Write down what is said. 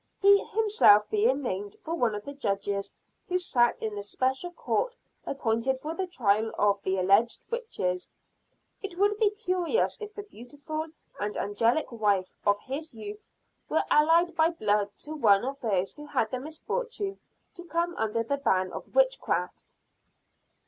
He himself being named for one of the Judges who sat in the Special Court appointed for the trial of the alleged witches, it would be curious if the beautiful and angelic wife of his youth were allied by blood to one of those who had the misfortune to come under the ban of witchcraft.